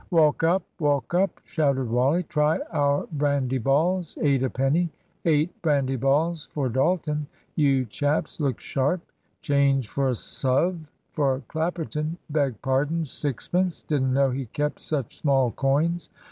"Walk up, walk up!" shouted Wally. "Try our brandy balls, eight a penny. Eight brandy balls for Dalton; you chaps, look sharp. Change for a sov. for Clapperton; beg pardon, sixpence (didn't know he kept such small coins).